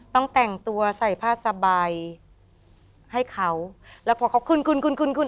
ต้องแต่งตัวใส่ผ้าสบายให้เขาแล้วพอเขาคุนคุนคุนคุนคุน